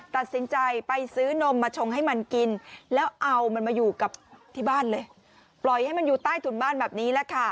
ตัดสินใจไปซื้อนมมาชงให้มันกินแล้วเอามันมาอยู่กับที่บ้านเลยปล่อยให้มันอยู่ใต้ถุนบ้านแบบนี้แหละค่ะ